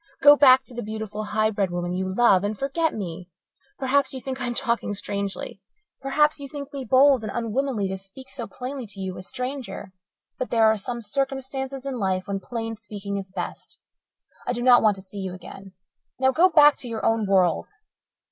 Go back to the beautiful, high bred woman you love and forget me. Perhaps you think I am talking strangely. Perhaps you think me bold and unwomanly to speak so plainly to you, a stranger. But there are some circumstances in life when plain speaking is best. I do not want to see you again. Now, go back to your own world."